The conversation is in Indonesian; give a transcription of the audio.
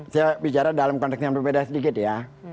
saya bicara dalam konteks yang berbeda sedikit ya